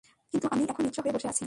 কিন্তু আমিই এখন নিঃস্ব হয়ে বসে আছি।